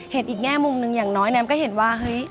เห็นอีกแง่มุมหนึ่งอย่างน้อยแมมก็เห็นว่าเฮ้ย